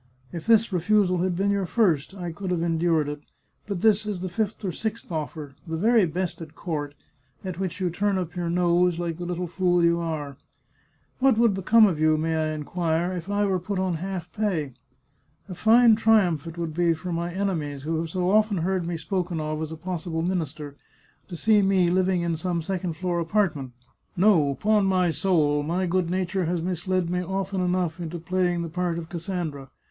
If this re fusal had been your first, I could have endured it, but this is 343 The Chartreuse of Parma the fifth or sixth offer, the very best at court, at which you turn up your nose, like the little fool you are ! What would become of you, may I inquire, if I were put on half pay ? A fine triumph it would be for my enemies, who have so often heard me spoken of as a possible minister, to see me living in some second floor apartment! No, 'pon my soul! my good nature has misled me often enough into playing the part of Cassandra.